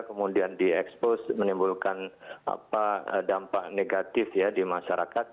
kemudian diekspos menimbulkan dampak negatif ya di masyarakat